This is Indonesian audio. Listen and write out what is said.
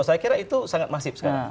saya kira itu sangat masif sekarang